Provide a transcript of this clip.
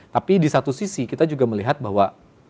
tapi di satu sisi kita juga melihat bahwa